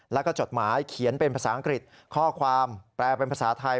แล้วก็จดหมายเขียนเป็นภาษาอังกฤษข้อความแปลเป็นภาษาไทย